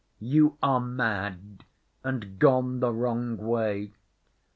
"You are mad, and gone the wrong way.